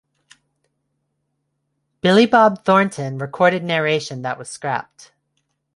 Billy Bob Thornton recorded narration that was scrapped.